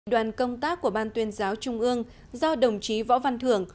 đoàn công tác của ban tuyên giáo trung ương do đồng chí võ văn thưởng